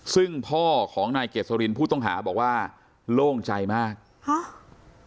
ซึ่งพ่อของนายเกษรินผู้ต้องหาบอกว่าโล่งใจมากฮะ